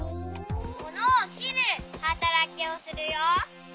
ものをきるはたらきをするよ。